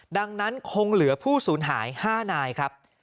ดังนั้นคงเหลือผู้สูญหาย๕นายครับ